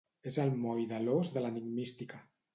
És el moll de l'os de l'enigmística.